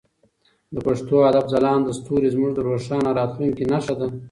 د پښتو ادب ځلانده ستوري زموږ د روښانه راتلونکي نښه ده.